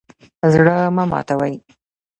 زړه مه ماتوئ